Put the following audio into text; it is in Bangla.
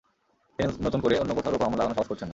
তিনি নতুন করে অন্য কোথাও রোপা আমন লাগানোর সাহস করছেন না।